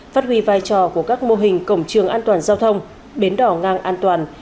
phát huy vai trò của các mô hình cổng trường an toàn giao thông bến đỏ ngang an toàn